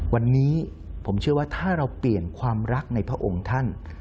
วันนี้ผมเชื่อว่าถ้าเราเปลี่ยนความรักในพระองค์ท่าน